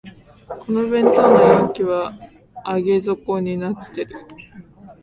この弁当の容器は上げ底になってる